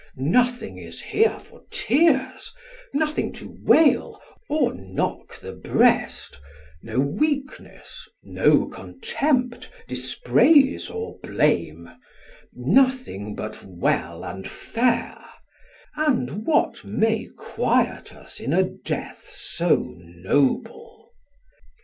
1720 Nothing is here for tears, nothing to wail Or knock the breast, no weakness, no contempt, Dispraise, or blame, nothing but well and fair, And what may quiet us in a death so noble.